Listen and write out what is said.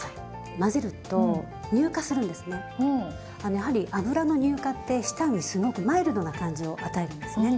やはり油の乳化って舌にすごくマイルドな感じを与えるんですね。